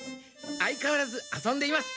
相変わらず遊んでいます！